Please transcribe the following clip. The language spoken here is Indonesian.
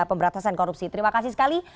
pemberantasan korupsi terima kasih sekali